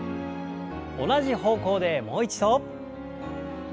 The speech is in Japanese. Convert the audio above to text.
同じ方向でもう一度。